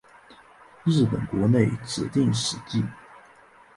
日本国内指定史迹。